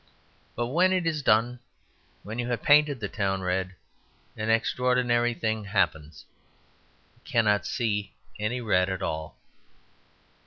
But when it is done, when you have painted the town red, an extraordinary thing happens. You cannot see any red at all.